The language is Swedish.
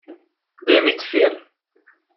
Det är mitt fel.